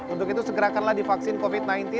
untuk itu segerakanlah divaksin covid sembilan belas